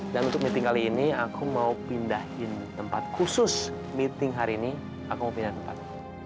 dan untuk meeting kali ini aku mau pindahin tempat khusus meeting hari ini aku mau pindah tempat